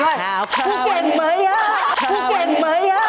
คุณเก่งไหมอ่ะคุณเก่งไหมอ่ะขอบคุณครับ